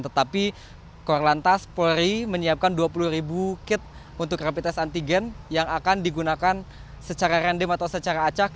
tetapi korlantas polri menyiapkan dua puluh ribu kit untuk rapid test antigen yang akan digunakan secara random atau secara acak